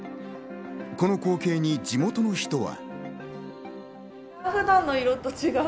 この光景に地元の人は。